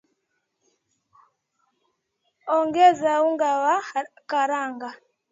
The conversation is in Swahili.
Ongeza unga wa karanga